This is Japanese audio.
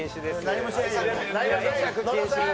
何もしないで。